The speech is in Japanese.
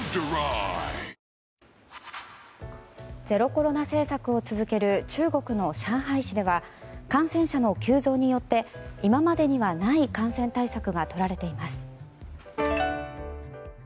ゼロコロナ政策を続ける中国の上海市では感染者の急増によって今までにはない感染対策がとられています。